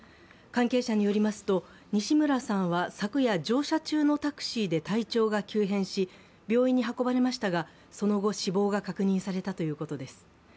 関係者によりますと、西村さんは昨夜、乗車中のタクシーで体調が急変し、病院に運ばれましたが、その後、死亡が確認されたということです。